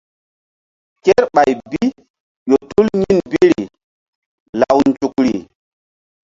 Kerɓay bi ƴo tul yin biri law nzukri.